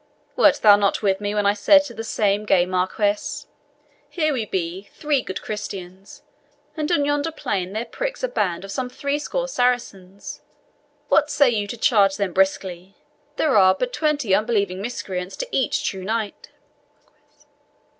Wert thou not with me when I said to that same gay Marquis, 'Here we be, three good Christians, and on yonder plain there pricks a band of some threescore Saracens what say you to charge them briskly? There are but twenty unbelieving miscreants to each true knight."